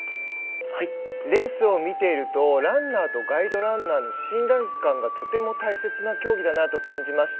レースを見ているとランナーとガイドランナーの信頼感がとても大切な競技だなと感じました。